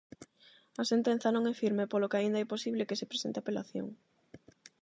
A sentenza non é firme, polo que aínda é posible que se presente apelación.